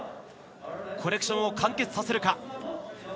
コレクションを完結させるか。